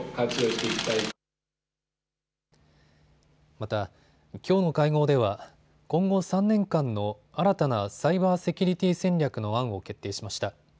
また、きょうの会合では今後３年間の新たなサイバーセキュリティ戦略の案を決定しました。